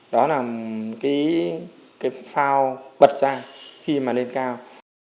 đó là cái phao bật ra khi mà lên cao